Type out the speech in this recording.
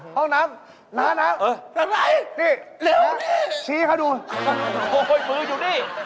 ไปห้องน้ำพนักงานดิ